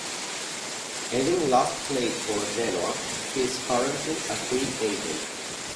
Having last played for Genoa, he is currently a free agent.